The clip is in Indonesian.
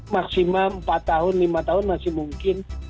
maksimal empat tahun lima tahun masih mungkin